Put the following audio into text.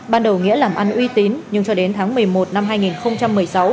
ban đầu nghĩa làm ăn uy tín nhưng cho đến tháng một mươi một năm hai nghìn một mươi sáu